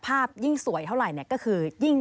ภาพยิ่งสวยเท่าไร